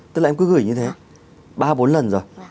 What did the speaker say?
tức là em cứ gửi như thế ba bốn lần rồi